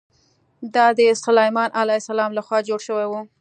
دا د سلیمان علیه السلام له خوا جوړ شوی و.